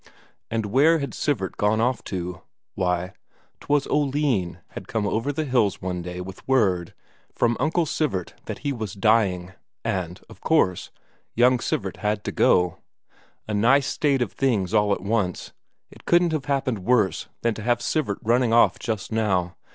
And where had Sivert gone off to? Why, 'twas Oline had come over the hills one day with word from Uncle Sivert that he was dying; and, of course, young Sivert had to go. A nice state of things all at once it couldn't have happened worse than to have Sivert running off just now.